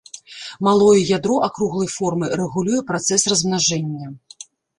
Малое ядро акруглай формы рэгулюе працэс размнажэння.